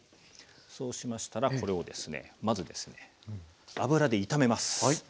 そうしましたらこれをですねまずですね油で炒めます。